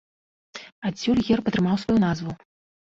Адсюль герб атрымаў сваю назву.